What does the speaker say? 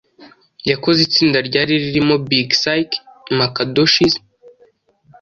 yakoze itsinda ryari ririmo Big Syke, Macadoshis,